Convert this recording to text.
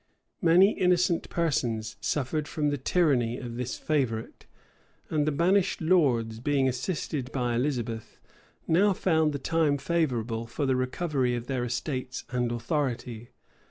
Many innocent persons suffered from the tyranny of this favorite; and the banished lords, being assisted by Elizabeth, now found the time favorable for the recovery of their estates and authority.